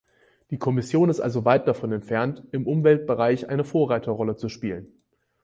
Die Kommission ist also weit davon entfernt, im Umweltbereich eine Vorreiterrolle zu spielen.